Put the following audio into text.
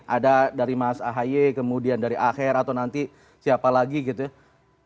ada dari mas ahy kemudian dari aher atau nanti siapa lagi gitu ya